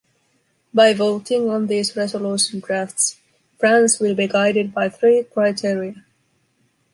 By voting on these resolution drafts, France will be guided by three criteria.